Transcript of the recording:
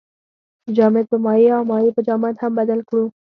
جامد په مایع او مایع په جامد هم بدل کړو.